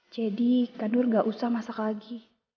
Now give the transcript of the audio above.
jadi kanur gak usah masak lagi